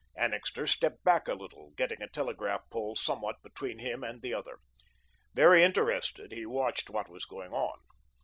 Annixter stepped back a little, getting a telegraph pole somewhat between him and the other. Very interested, he watched what was going on.